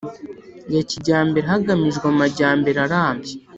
ya kijyambere hagamijwe amajyambere arambye